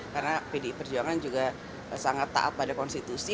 karena pdi perjuangan juga sangat taat pada konstitusi